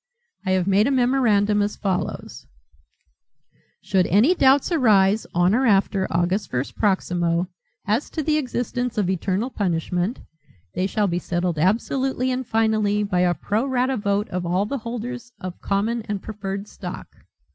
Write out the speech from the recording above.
I have made a memorandum as follows, 'Should any doubts arise, on or after August first proximo, as to the existence of eternal punishment they shall be settled absolutely and finally by a pro rata vote of all the holders of common and preferred stock.'